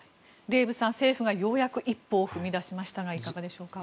デーブさん政府がようやく１歩を踏み出しましたがいかがでしょうか？